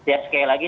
ya sekali lagi